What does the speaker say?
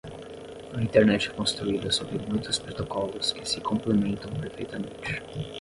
A Internet é construída sobre muitos protocolos que se complementam perfeitamente.